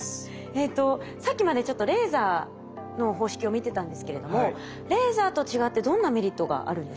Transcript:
えとさっきまでちょっとレーザーの方式を見てたんですけれどもレーザーと違ってどんなメリットがあるんですか？